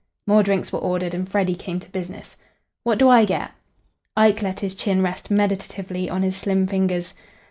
More drinks were ordered, and Freddy came to business. "What do I get?" Ike let his chin rest meditatively on his slim fingers.